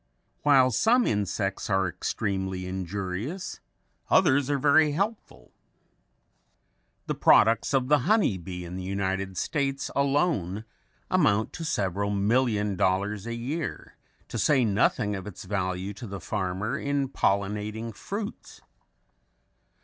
While some insects are extremely injurious, others are very helpful. The products of the honey bee in the United States alone amount to several million dollars a year, to say nothing of its value to the farmer in pollinating fruits.